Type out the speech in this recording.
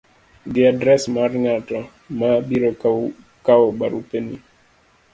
gi adres mar ng'at ma biro kawo barupeni,